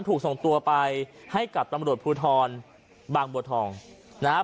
ถูกส่งตัวไปให้กับตำรวจภูทรบางบัวทองนะครับ